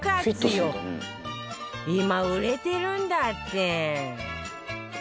今売れてるんだって